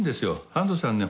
半藤さんね